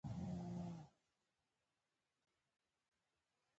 د نوموړي تورنېدل له وړاندې ټاکل شوې نتیجه وه.